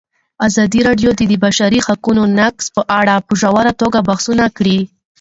ازادي راډیو د د بشري حقونو نقض په اړه په ژوره توګه بحثونه کړي.